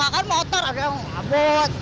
kan motor ada yang ngabut